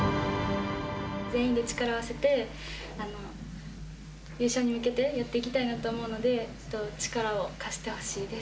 全員で力を合わせて、優勝に向けてやっていきたいなと思うので、力を貸してほしいです。